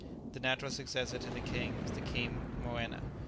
The natural successor to the king was the queen Moena.